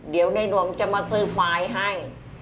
เดี๋ยวในหลวงจะมาซื้อไฟล์ให้